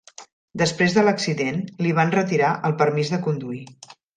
Després de l'accident, li van retirar el permís de conduir.